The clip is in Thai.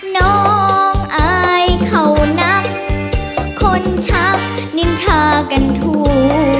น้องอายเขานักคนชักนินทากันทั่ว